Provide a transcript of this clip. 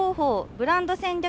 ブランド戦略